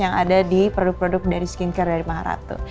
yang ada di produk produk dari skincare dari maharatu